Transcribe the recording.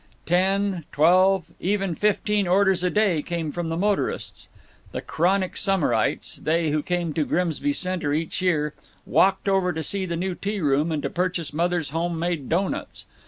Ten, twelve, even fifteen orders a day came from the motorists. The chronic summerites, they who came to Grimsby Center each year, walked over to see the new tea room and to purchase Mother's home made doughnuts.